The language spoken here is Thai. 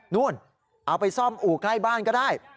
นู่นเอาไปซ่อมอู่ใกล้บ้านก็ได้